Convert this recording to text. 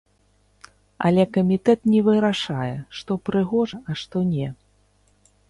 Але камітэт не вырашае, што прыгожа, а што не.